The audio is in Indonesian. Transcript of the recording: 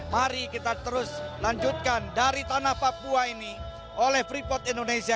mari kita terus lanjutkan dari tanah papua ini oleh freeport indonesia